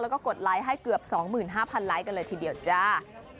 แล้วก็กดไลค์ให้เกือบ๒๕๐๐ไลค์กันเลยทีเดียวจ้า